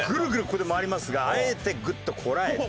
ここで回りますがあえてグッとこらえて。